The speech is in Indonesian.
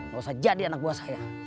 gak usah jadi anak buah saya